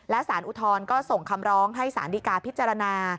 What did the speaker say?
และสารอุทธรณ์ก็ส่งคำร้องให้สารดีกาพิจารณา